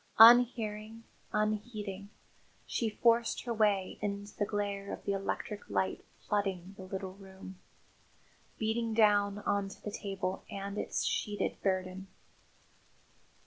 Unhearing, unheeding, she forced her way into the glare of electric light flooding the little room beating down on to the table and its sheeted burden.